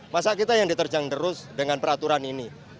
masa kita yang diterjang terus dengan peraturan ini